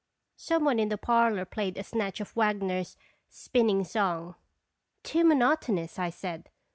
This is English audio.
Some one in the par lor played a snatch of Wagner's "Spinning Song." " Too monotonous," I said.